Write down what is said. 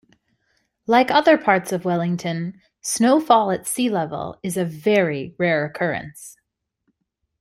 Like other parts of Wellington, snowfall at sea level is a very rare occurrence.